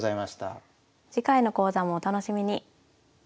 次回の講座もお楽しみに。